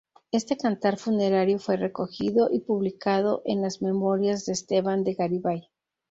Este cantar funerario fue recogido y publicado en las "Memorias" de Esteban de Garibay.